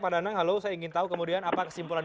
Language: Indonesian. pak danang halo saya ingin tahu kemudian apa kesimpulan